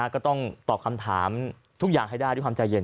ก็ต้องตอบคำถามทุกอย่างให้ได้ด้วยความใจเย็น